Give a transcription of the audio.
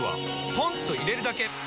ポンと入れるだけ！